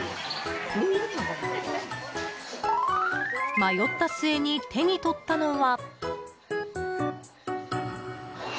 迷った末に手に取ったのは。